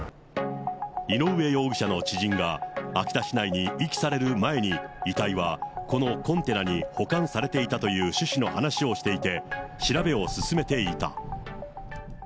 井上容疑者の知人が、秋田市内に遺棄される前に、遺体はこのコンテナに保管されていたという趣旨の話をしていて、調べを進めていた。